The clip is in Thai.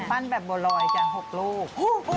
ปั้นแบบบัวลอยจ้ะ๖ลูก